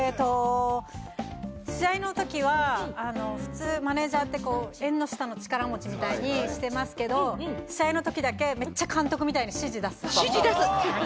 試合のときは、普通、マネジャーって、縁の下の力持ちみたいにしてますけれども、試合のときだけめっちゃ監督みたいに指示出す。